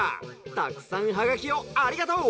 たくさんハガキをありがとう。